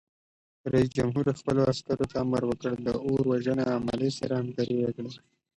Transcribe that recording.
رئیس جمهور خپلو عسکرو ته امر وکړ؛ له اور وژنې عملې سره همکاري وکړئ!